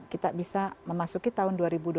kita bisa memasuki tahun